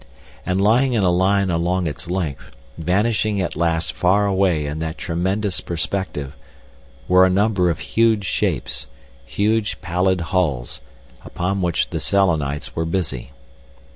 And lying in a line along its length, vanishing at last far away in that tremendous perspective, were a number of huge shapes, huge pallid hulls, upon which the Selenites were busy.